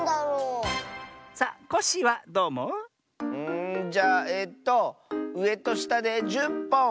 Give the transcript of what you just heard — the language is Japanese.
んじゃあえとうえとしたで１０ぽん！